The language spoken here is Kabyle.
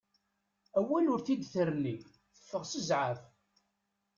Awal ur t-id-terni, teffeɣ s zɛaf.